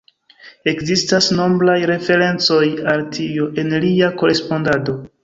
Ekzistas nombraj referencoj al tio en lia korespondado.